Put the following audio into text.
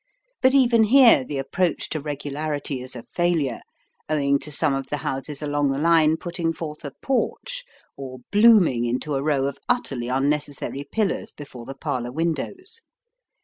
But even here the approach to regularity is a failure, owing to some of the houses along the line putting forth a porch, or blooming into a row of utterly unnecessary pillars before the parlour windows.